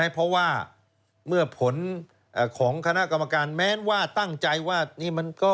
เพราะว่าเมื่อผลของคณะกรรมการแม้นว่าตั้งใจ